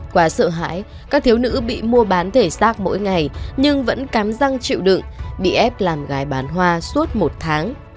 quá sợ hãi các thiếu nữ bị mua bán thể xác mỗi ngày nhưng vẫn cám răng chịu đựng bị ép làm gái bán hoa suốt một tháng